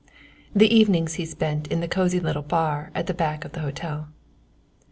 The evenings he spent in the cosy little bar at the back of the hotel.